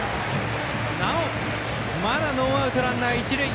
なおもノーアウトランナー、一塁。